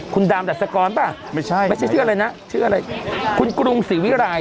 คุณดามดัชกรป่ะไม่ใช่ไม่ใช่ชื่ออะไรนะชื่ออะไรคุณกรุงศรีวิรัย